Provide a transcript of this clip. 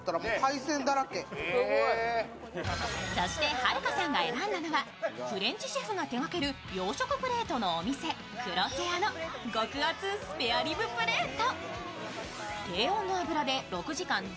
はるかさんが選んだのはフレンチシェフが手がける洋食プレートのお店、クロセアの極厚スペアリブプレート。